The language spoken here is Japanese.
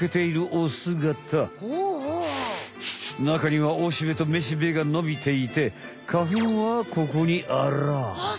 なかにはおしべとめしべがのびていて花粉はここにあらあ。